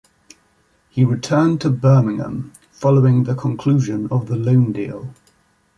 He returned to Birmingham following the conclusion of the loan deal.